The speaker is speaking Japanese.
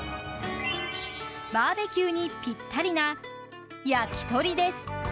バーベキューにピッタリな焼き鳥です。